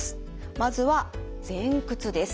まずは前屈です。